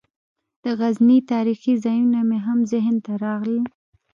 د غزني تاریخي ځایونه مې هم ذهن ته راغلل.